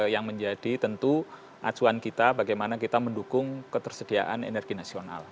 yang menjadi tentu acuan kita bagaimana kita mendukung ketersediaan energi nasional